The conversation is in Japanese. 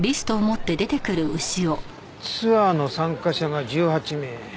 ツアーの参加者が１８名。